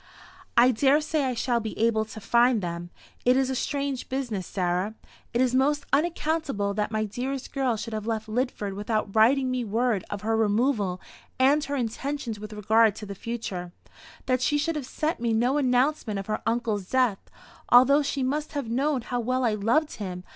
"I daresay I shall be able to find them. It is a strange business, Sarah. It is most unaccountable that my dearest girl should have left Lidford without writing me word of her removal and her intentions with regard to the future that she should have sent me no announcement of her uncle's death, although she must have known how well I loved him.